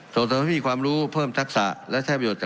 จนเท่าไม่มีความรู้เพิ่มทักษะและแท้ประโยชน์